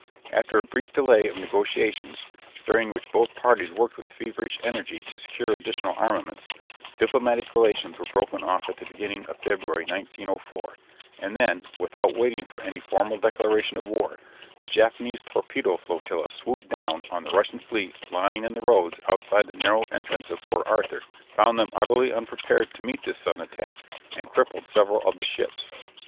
After a brief delay of negotiations, during which both parties worked with feverish energy to secure additional armaments, diplomatic relations were broken off at the beginning of February, 1904, and then, without waiting for any formal declaration of war, the Japanese torpedo flotilla swooped down on the Russian fleet lying in the roads outside the narrow entrance of Port Arthur, found them utterly unprepared to meet this sudden attack, and crippled several of the ships.